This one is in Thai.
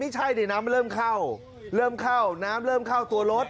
ใช่ดิน้ำมันเริ่มเข้าเริ่มเข้าน้ำเริ่มเข้าตัวรถ